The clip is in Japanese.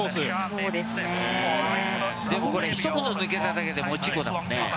でもこれひと言抜けただけでも事故だもんね。